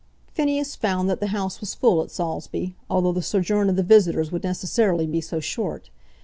Phineas found that the house was full at Saulsby, although the sojourn of the visitors would necessarily be so short.